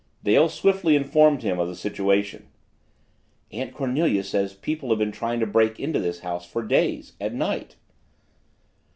Dale swiftly informed him of the situation. "Aunt Cornelia says people have been trying to break into this house for days at night."